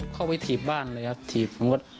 เขาไปถีบบ้านเลยครับถีบ